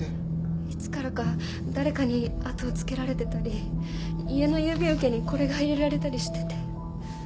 いつからか誰かに後をつけられてたり家の郵便受けにこれが入れられたりしてて。